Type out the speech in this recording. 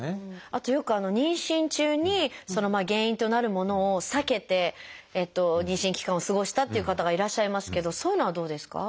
あとよく妊娠中に原因となるものを避けて妊娠期間を過ごしたっていう方がいらっしゃいますけどそういうのはどうですか？